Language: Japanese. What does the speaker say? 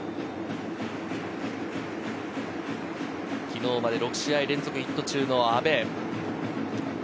昨日まで６試合連続ヒット中の阿部。